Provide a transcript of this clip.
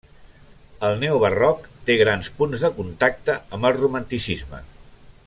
El Neobarroc té grans punts de contacte amb el Romanticisme.